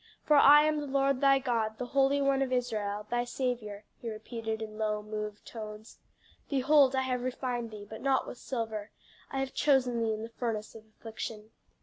For I am the Lord thy God, the Holy One of Israel, thy Saviour,'" he repeated in low, moved tones. "'Behold I have refined thee, but not with silver; I have chosen thee in the furnace of affliction.'